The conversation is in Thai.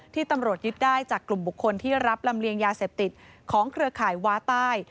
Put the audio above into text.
ตำรวจยึดได้จากกลุ่มบุคคลที่รับลำเลียงยาเสพติดของเครือข่ายว้าใต้